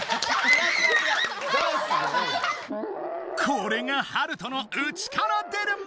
これがハルトの内から出るもの！